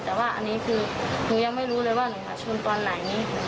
แต่ว่าอันนี้คือหนูยังไม่รู้เลยว่าหนูชนตอนไหน